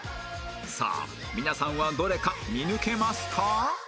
さあ皆さんはどれか見抜けますか？